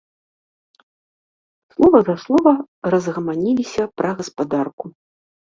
Слова за слова, разгаманіліся пра гаспадарку.